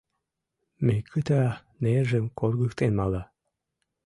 Микыта нержым коргыктен мала.